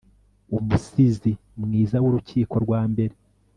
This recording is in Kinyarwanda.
Umusizi mwiza w urukiko rwa mbere